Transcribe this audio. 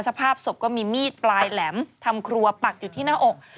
สภาพศพก็มีมีดปลายแหลมทำครัวปักอยู่ที่หน้าอก